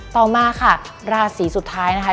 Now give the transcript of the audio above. ต่อมาค่ะราศีสุดท้ายนะคะ